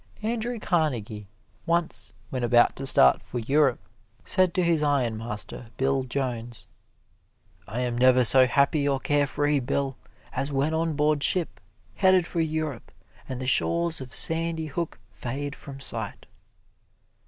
Andrew Carnegie once, when about to start for Europe, said to his ironmaster, Bill Jones, "I am never so happy or care free, Bill, as when on board ship, headed for Europe, and the shores of Sandy Hook fade from sight."